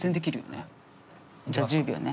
じゃあ１０秒ね。